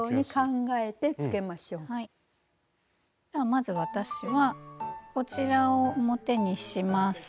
まず私はこちらを表にします。